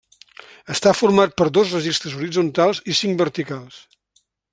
Està format per dos registres horitzontals i cinc verticals.